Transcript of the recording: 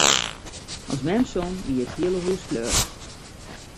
As mem song, wie it hiele hûs fleurich.